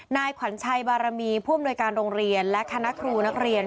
นายขวัญชัยบารมีผู้อำนวยการโรงเรียนและคณะครูนักเรียน